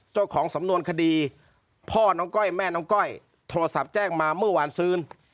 เจ้าของสำนวนคดีพ่อน้องก้อยแม่น้องก้อยโทรศัพท์แจ้งมาเมื่อวานซื้น